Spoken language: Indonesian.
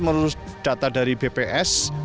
menurut data dari bps